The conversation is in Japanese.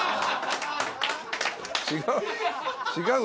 違う。